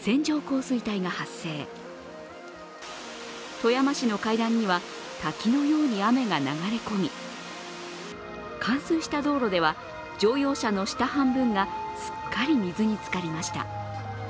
富山市の階段には滝のように雨が流れ込み冠水した道路では乗用車の下半分がすっかり水につかりました。